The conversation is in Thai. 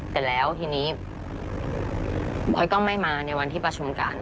เสร็จแล้วทีนี้พลอยก็ไม่มาในวันที่ประชุมกัน